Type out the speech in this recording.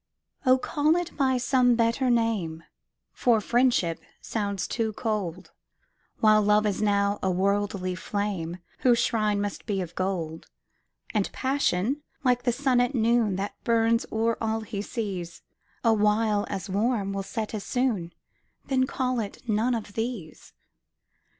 Oh, call it by some better name, For Friendship sounds too cold, While Love is now a worldly flame, Whose shrine must be of gold: And Passion, like the sun at noon, That burns o'er all he sees, Awhile as warm will set as soon Then call it none of these.